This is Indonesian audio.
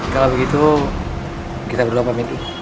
kalau begitu kita berdua pamitin